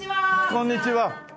こんにちは。